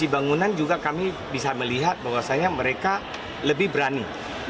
pengunan juga kami bisa melihat bahwasanya mereka lebih berani